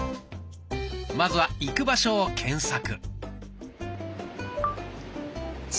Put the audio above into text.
まずは行く場所を検索。